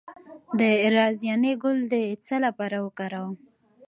د رازیانې ګل د څه لپاره وکاروم؟